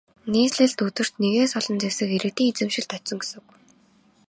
Нийслэлд өдөрт нэгээс олон зэвсэг иргэдийн эзэмшилд очсон гэсэн үг.